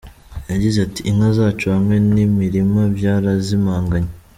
Yagize ati:"Inka zacu hamwe n'imirima vyarazimanganye.